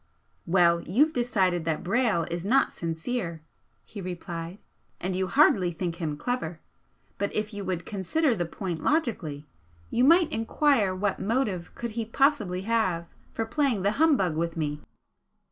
"Well, you've decided that Brayle is not sincere," he replied "And you hardly think him clever. But if you would consider the point logically you might enquire what motive could he possibly have for playing the humbug with me?"